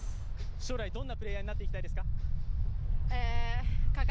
将来、どんなプレーヤーになっていきたいと思いますか。